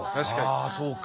あそうか。